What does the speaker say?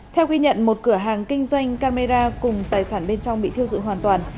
theo ghi nhận một cửa hàng kinh doanh camera cùng tài sản bên trong bị thiêu dụi hoàn toàn